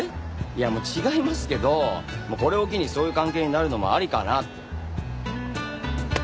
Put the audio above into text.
いや違いますけどこれを機にそういう関係になるのもありかなって。